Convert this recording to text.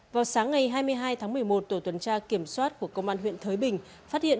vào sáng ngày hai mươi hai tháng một mươi một tổ tuần tra kiểm soát của công an huyện thới bình phát hiện